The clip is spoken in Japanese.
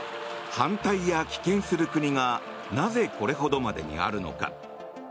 反対や棄権する国がなぜ、これほどまであるのか。